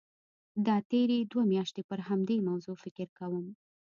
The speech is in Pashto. دا تېرې دوه میاشتې پر همدې موضوع فکر کوم.